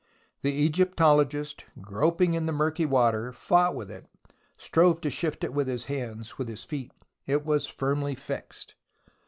The Egyptologist, groping in the murky water, fought with it, strove to shift it with his hands, with his feet. It was firmly fixed.